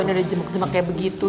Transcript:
ini ada jembek jembek kayak begitu